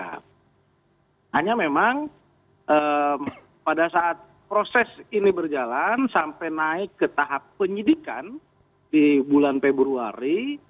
hanya memang pada saat proses ini berjalan sampai naik ke tahap penyidikan di bulan februari